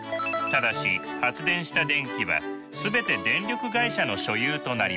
ただし発電した電気は全て電力会社の所有となります。